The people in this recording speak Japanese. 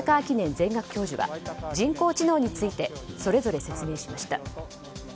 記念全学教授は人工知能についてそれぞれ説明しました。